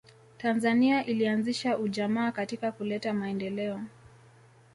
tanzania ilianzisha ujamaa katika kuleta maendeleo